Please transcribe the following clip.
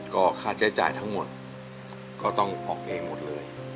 ก็ค่าใช้จ่ายทั้งหมดก็ต้องออกเองหมดเลย